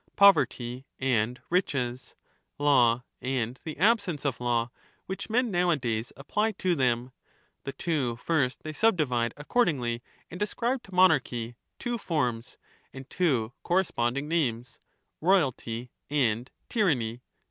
poverty and riches, law and the absence of law, which men now a days apply to them; the two first they subdivide accordingly, and ascribe to monarchy two forms and two corresponding names, royalty and tyranny.